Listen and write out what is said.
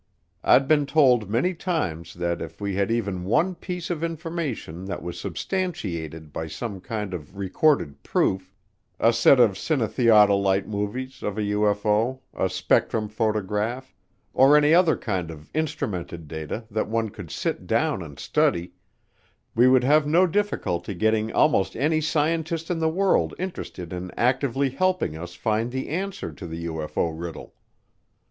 I'd been told many times that if we had even one piece of information that was substantiated by some kind of recorded proof a set of cinetheodolite movies of a UFO, a spectrum photograph, or any other kind of instrumented data that one could sit down and study we would have no difficulty getting almost any scientist in the world interested in actively helping us find the answer to the UFO riddle.